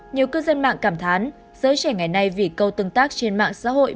nhiều cư dân mạng cảm thán giới trẻ ngày nay vì câu tương tác trên mạng xã hội